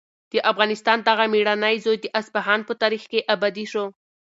د افغانستان دغه مېړنی زوی د اصفهان په تاریخ کې ابدي شو.